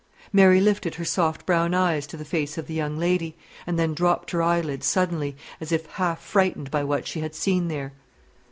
Mary lifted her soft brown eyes to the face of the young lady, and then dropped her eyelids suddenly, as if half frightened by what she had seen there.